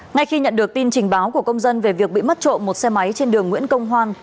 ngay khi nhận được tin trình báo của công dân về việc bị mất trộm một xe máy trên đường nguyễn công hoan